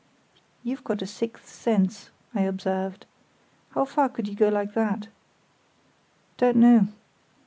"You've got a sixth sense," I observed. "How far could you go like that?" "Don't know.